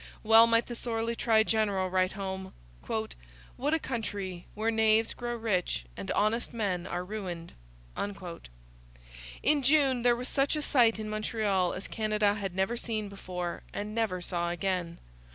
Well might the sorely tried general write home: 'What a country, where knaves grow rich and honest men are ruined!' In June there was such a sight in Montreal as Canada had never seen before, and never saw again.